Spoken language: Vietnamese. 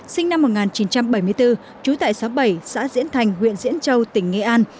sinh năm một nghìn chín trăm bảy mươi bốn trú tại xóm bảy xã diễn thành huyện diễn châu tỉnh nghệ an